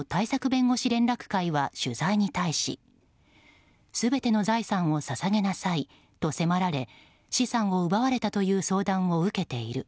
弁護士連絡会は取材に対し全ての財産を捧げなさいと迫られ、資産を奪われたという相談を受けている。